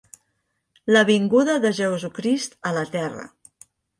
La vinguda de Jesucrist a la terra.